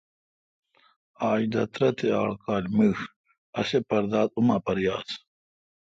اج داترہ تے آڑ کال میݭ اسے پرداداُماپر یاس۔